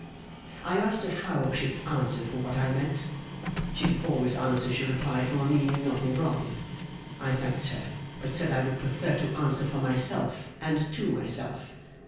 I asked her how she could answer for what I meant? She could always answer, she replied, for my meaning nothing wrong. I thanked her, but said I would prefer to answer for myself and to myself.